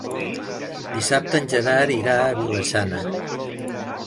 Dissabte en Gerard irà a Vila-sana.